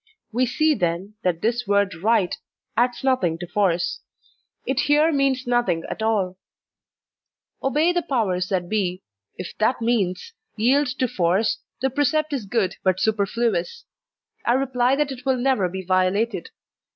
We see then, that this word RIGHT adds nothing to force; it here means nothing at alL Obey the powers that be. If that means, Yield to force, the precept is good but superfluous; I reply that it will never be violated.